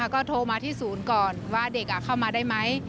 ก็โทรมาที่ศูนย์ก่อนว่าเด็กเข้ามาได้ไหม